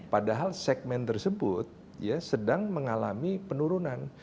padahal segmen tersebut sedang mengalami penurunan